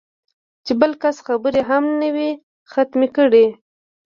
چې بل کس خبرې هم نه وي ختمې کړې